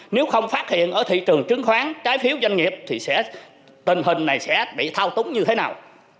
nếu không phát hiện ở thị trường chứng khoán trái phiếu doanh nghiệp thì tình hình này sẽ bị thao túng như thế nào